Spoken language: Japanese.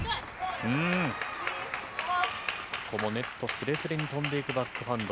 ここもネットすれすれに飛んでいくバックハンド。